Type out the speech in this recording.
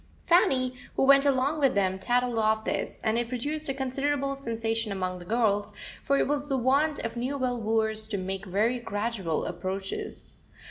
Fanny, who went along with them, tattled of this, and it produced a considerable sensation among the girls, for it was the wont of Newville wooers to make very gradual approaches.